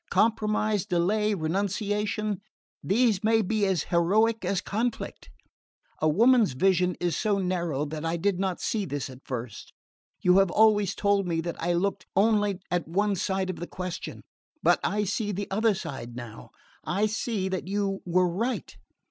Compromise, delay, renunciation these may be as heroic as conflict. A woman's vision is so narrow that I did not see this at first. You have always told me that I looked only at one side of the question; but I see the other side now I see that you were right."